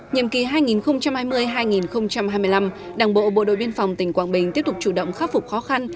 nhiệm kỳ hai nghìn hai mươi hai nghìn hai mươi năm đảng bộ bộ đội biên phòng tỉnh quảng bình tiếp tục chủ động khắc phục khó khăn